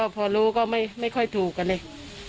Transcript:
พอรู้ก็ไม่ค่อยถูกกันเลย